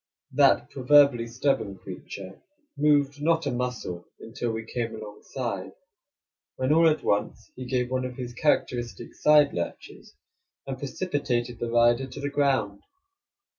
That proverbially stubborn creature moved not a muscle until we came alongside, when all at once he gave one of his characteristic side lurches, and precipitated the rider to the ground.